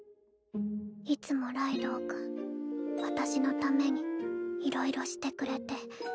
いつもライドウ君私のためにいろいろしてくれて。